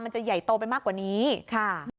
จะใหญ่โตไปมากกว่านี้ค่ะ